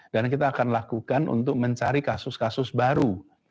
dan kita akan lakukan untuk mencari kasus kasus baru